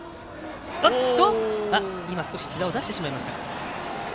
今、少しひざを出してしまいましたか。